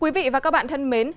quý vị và các bạn thân mến